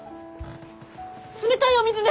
冷たいお水ね！